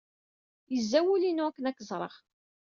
Yezza wul-inu akken ad k-ẓreɣ.